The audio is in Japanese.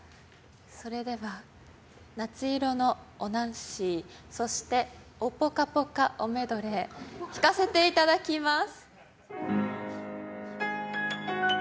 それでは「夏色のおナンシー」そしておぽかぽかおメドレー弾かせていただきます。